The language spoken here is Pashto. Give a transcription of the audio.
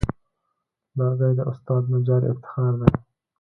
لرګی د استاد نجار افتخار دی.